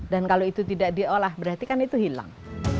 dan kalau itu tidak diolah berarti kan itu hilang